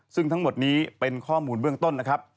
ซึ่งทั้งหมดนี้เป็นข้อมูลเบื้องต้นนะครับ